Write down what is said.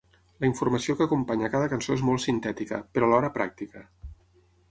La informació que acompanya cada cançó és molt sintètica, però alhora pràctica.